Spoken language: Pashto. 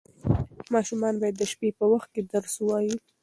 ماشومان باید د شپې په وخت کې درس ووایي.